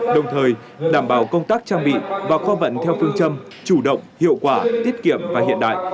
đồng thời đảm bảo công tác trang bị và kho vận theo phương châm chủ động hiệu quả tiết kiệm và hiện đại